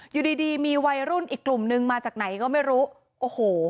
อยู่ดีดีมีวัยรุ่นอีกกลุ่มนึงมาจากไหนก็ไม่รู้โอ้โห